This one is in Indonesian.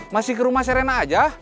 masih ke rumah serena aja